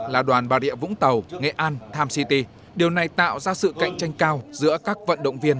là đoàn bà rịa vũng tàu nghệ an tham city điều này tạo ra sự cạnh tranh cao giữa các vận động viên